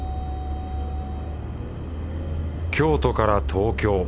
京都から東京。